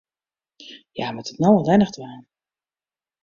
Hja moat it no allinnich dwaan.